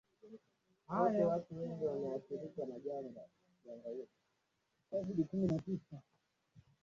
Wanatumia hasa matamshi mbalimbali ya lugha ya Kichina